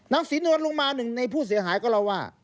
ศรีนวลลงมาหนึ่งในผู้เสียหายก็เล่าว่า